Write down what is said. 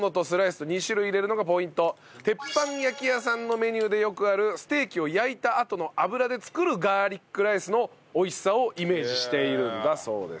鉄板焼き屋さんのメニューでよくあるステーキを焼いたあとの脂で作るガーリックライスの美味しさをイメージしているんだそうです。